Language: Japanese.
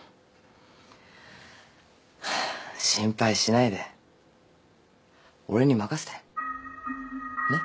心配しないで俺に任せてねっ。